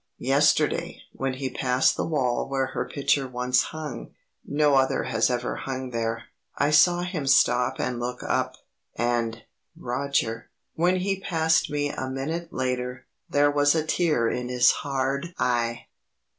Yesterday when he passed the wall where her picture once hung no other has ever hung there I saw him stop and look up, and, Roger, when he passed me a minute later, there was a tear in his hard eye.